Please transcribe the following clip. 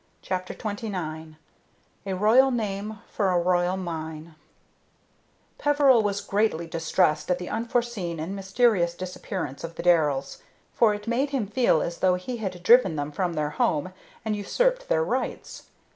CHAPTER XXIX A ROYAL NAME FOR A ROYAL MINE Peveril was greatly distressed at the unforeseen and mysterious disappearance of the Darrells; for it made him feel as though he had driven them from their home and usurped their rights.